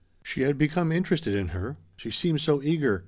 She had become interested in her. She seemed so eager.